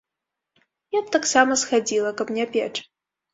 Я б таксама схадзіла, каб не печ.